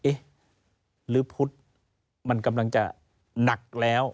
เอ๊ะหรือพุทธมันกำลังจะหนักแล้ว